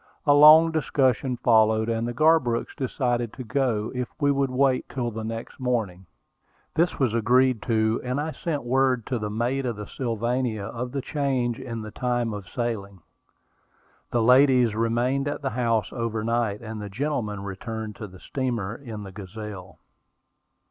A long discussion followed; and the Garbrooks decided to go if we would wait till the next morning. This was agreed to; and I sent word to the mate of the Sylvania of the change in the time of sailing. The ladies remained at the house overnight, and the gentlemen returned to the steamer in the Gazelle.